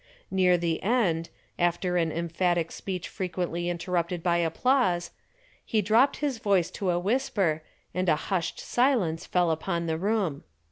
Near the end, after an emphatic speech frequently interrupted by applause, he dropped his voice to a whisper and a hushed silence fell upon the room.